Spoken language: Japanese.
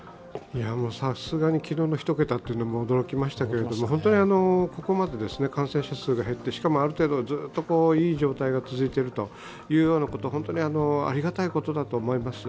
さすがに昨日の１桁は驚きましたが、本当にここまで感染者数が減って、しかもある程度いい状態が続いているのは本当にありがたいことだと思います。